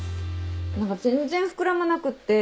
何か全然膨らまなくって。